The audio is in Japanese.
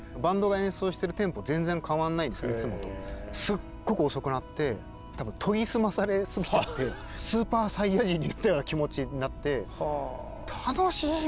すっごく遅くなって多分研ぎ澄まされすぎちゃってスーパーサイヤ人になったような気持ちになって「楽しい！」みたいな。